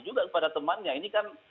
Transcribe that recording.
juga kepada temannya ini kan